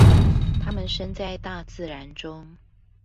他們身在大自然中